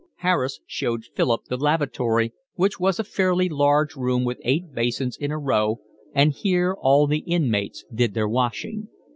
Harris showed Philip the lavatory, which was a fairly large room with eight basins in a row, and here all the inmates did their washing.